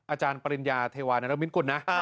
อาจารย์ปริญญาเทวานรมิตกุลนะ